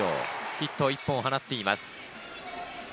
ヒット１本を放っています。